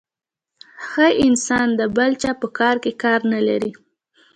ښه انسان د بل چا په کار کي کار نلري .